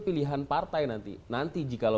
pilihan partai nanti nanti jika